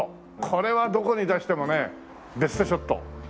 これはどこに出してもねベストショット。